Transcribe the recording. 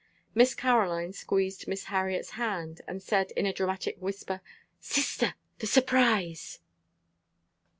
Miss Caroline squeezed Miss Harriet's hand, and said in a dramatic whisper, "Sister! the surprise."